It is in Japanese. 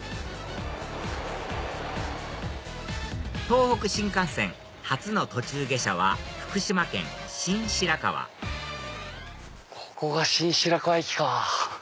東北新幹線初の途中下車は福島県新白河ここが新白河駅か。